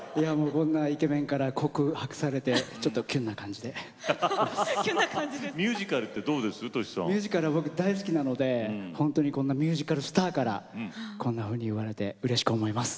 こんなイケメンから告白されてちょっとキュンな感じでミュージカル、僕大好きなのでミュージカルスターからこんなふうに言われてうれしく思います。